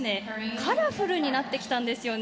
カラフルになってきたんですね。